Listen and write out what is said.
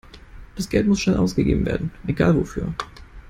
Das Geld muss schnell ausgegeben werden, egal wofür.